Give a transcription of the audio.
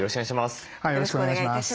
よろしくお願いします。